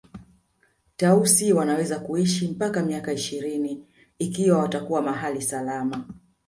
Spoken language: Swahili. Tausi wanaweza kuishi mpaka miaka ishirini ikiwa watakuwa mahala salama